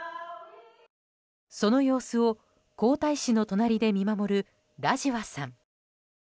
その様子を皇太子の隣で見守るラジワさん。